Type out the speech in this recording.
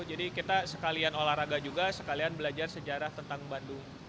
jadi kita sekalian olahraga juga sekalian belajar sejarah tentang bandung